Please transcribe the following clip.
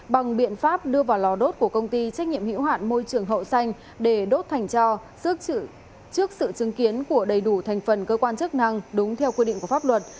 bằng biện pháp đưa vào lò đốt của công ty trách nhiệm hiệu hạn môi trường hậu xanh để đốt thành cho trước sự chứng kiến của đầy đủ thành phần cơ quan chức năng đúng theo quy định của pháp luật